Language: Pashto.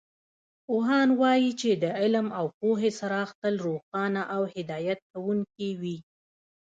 پوهان وایي چې د علم او پوهې څراغ تل روښانه او هدایت کوونکې وي